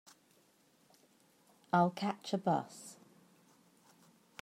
I'll catch a bus.